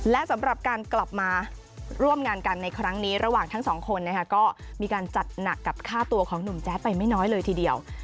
และสำหรับการกลับมาร่วมงานกันในครั้งนี้ระหว่างทั้งสองคนนะคะก็มีการจัดหนักกับค่าตัวของหนุ่มแจ๊ดไปไม่น้อยเลยทีเดียว